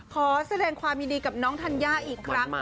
ขอแสดงความยินดีกับน้องธัญญาอีกครั้ง